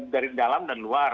dari dalam dan luar